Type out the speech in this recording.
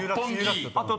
あと